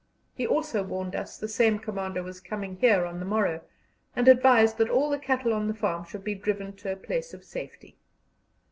He also warned us the same commando was coming here on the morrow, and advised that all the cattle on the farm should be driven to a place of safety.